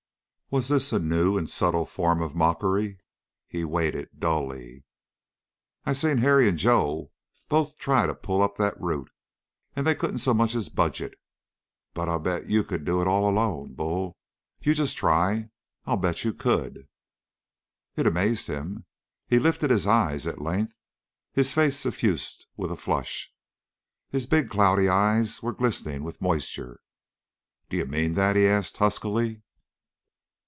Was this a new and subtle form of mockery? He waited dully. "I seen Harry and Joe both try to pull up that root, and they couldn't so much as budge it. But I bet you could do it all alone, Bull! You just try! I bet you could!" It amazed him. He lifted his eyes at length; his face suffused with a flush; his big, cloudy eyes were glistening with moisture. "D'you mean that?" he asked huskily.